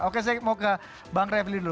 oke saya mau ke bang refli dulu